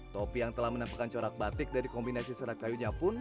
topi yang telah menampakkan corak batik dari kombinasi serat kayunya pun